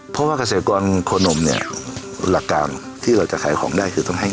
แต่ว่าเราก็ฝ่าฟันจนกระทั่งมันขึ้นนะ